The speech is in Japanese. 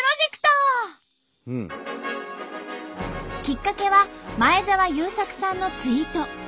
きっかけは前澤友作さんのツイート。